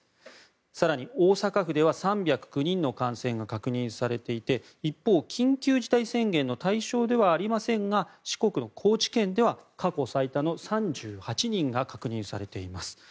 更に大阪府では３０９人の感染が確認されていて一方、緊急事態宣言の対象ではありませんが四国の高知県では過去最多の３８人が確認されています。